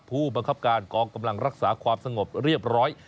ผู้บังคับการกองกำลังรักษาความสงบเรียบร้อย